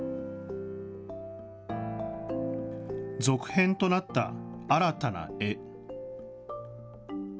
続編となった新たな絵。